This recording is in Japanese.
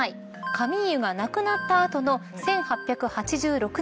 カミーユが亡くなった後の１８８６年。